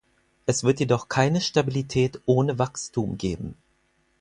Es wird jedoch keine Stabilität ohne Wachstum geben.